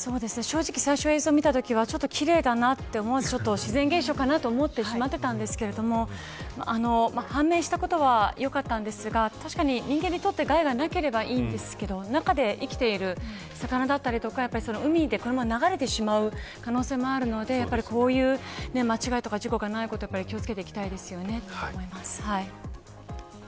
最初、映像を見たときは奇麗だなと自然現象かなと思っていましたが判明したことはよかったんですが人間にとって害がなければいいんですけど中で生きている魚だったり海へこのまま流れてしまう可能性もあるのでこういう間違いや事故がないように気を付けていきたいですね。